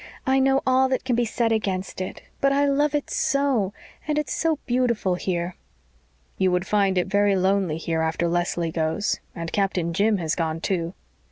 "I know all that can be said against it, but I love it so and it's so beautiful here." "You would find it very lonely here after Leslie goes and Captain Jim has gone too.